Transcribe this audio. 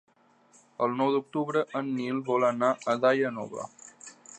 El nou d'octubre en Nil vol anar a Daia Nova.